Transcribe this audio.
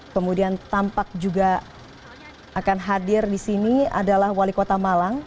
kemudian tampak juga akan hadir di sini adalah wali kota malang